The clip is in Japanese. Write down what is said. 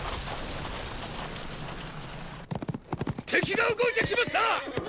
敵が動いて来ました！